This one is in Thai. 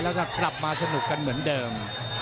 แล้วจะกลับมาสนุกกันเหมือนเดิม